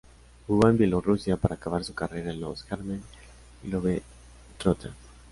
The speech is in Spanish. Jugó en Bielorrusia, para acabar su carrera en los Harlem Globetrotters.